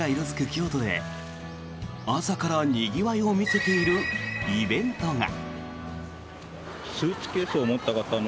京都で朝からにぎわいを見せているイベントが。